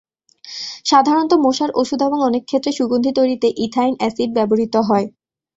সাধারণত মশার ওষুধ এবং অনেক ক্ষেত্রে সুগন্ধি তৈরিতে ইথাইন অ্যাসিড ব্যবহৃত হয়।